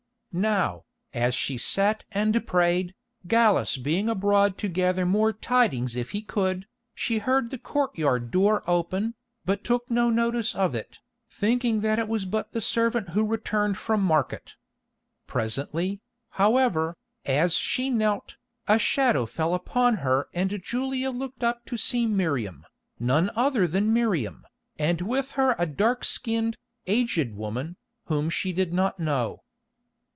Now, as she sat and prayed, Gallus being abroad to gather more tidings if he could, she heard the courtyard door open, but took no notice of it, thinking that it was but the servant who returned from market. Presently, however, as she knelt, a shadow fell upon her and Julia looked up to see Miriam, none other than Miriam, and with her a dark skinned, aged woman, whom she did not know.